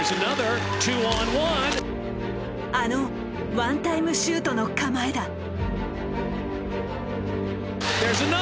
あのワンタイムシュートの構えだ。